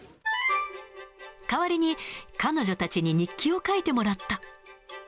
代わりに彼女たちに日記を書いてもらった。